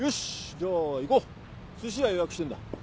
じゃあ行こう寿司屋予約してんだ。